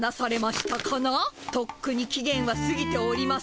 とっくに期限はすぎております。